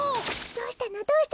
どうしたの？